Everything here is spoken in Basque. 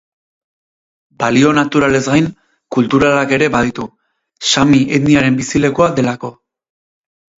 Balio naturalez gain, kulturalak ere baditu: sami etniaren bizilekua delako.